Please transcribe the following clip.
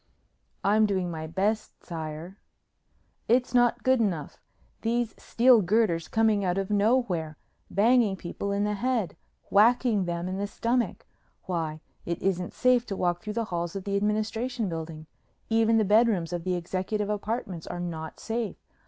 "I'm doing my best, sire " "It's not good enough! These steel girders coming out of nowhere! Banging people in the head whacking them in the stomach! Why it isn't safe to walk through the halls of the Administration Building. Even the bedrooms of the Executive Apartments are not safe!